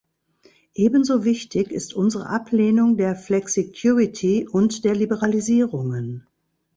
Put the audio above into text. Ebenso wichtig ist unsere Ablehnung der "Flexicurity" und der Liberalisierungen.